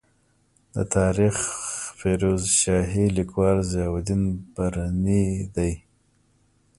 د تاریخ فیروز شاهي لیکوال ضیا الدین برني دی.